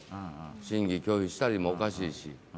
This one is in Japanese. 審議拒否したりもおかしいし。